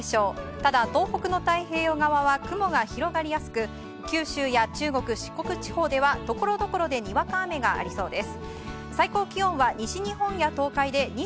ただ、東北の太平洋側は雲が広がりやすく九州や中国・四国地方ではところどころでにわか雨がありそうです。